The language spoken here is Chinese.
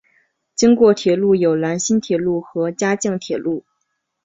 经过铁路有兰新铁路和嘉镜铁路。